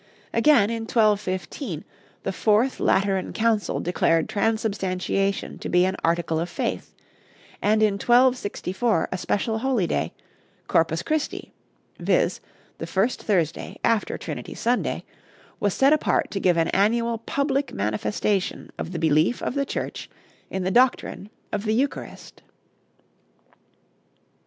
Again, in 1215, the Fourth Lateran Council declared transubstantiation to be an article of faith, and in 1264 a special holy day, Corpus Christi, viz., the first Thursday after Trinity Sunday, was set apart to give an annual public manifestation of the belief of the Church in the doctrine of the Eucharist.